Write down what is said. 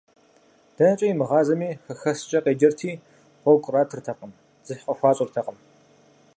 ДэнэкӀэ имыгъазэми, «хэхэскӀэ» къеджэрти, гъуэгу къратыртэкъым, дзыхь къыхуащӀыртэкъым.